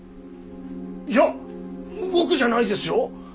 いや僕じゃないですよ！